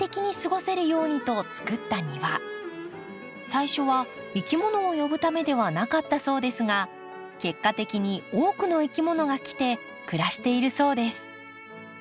最初はいきものを呼ぶためではなかったそうですが結果的に多くのいきものが来て暮らしているそうです。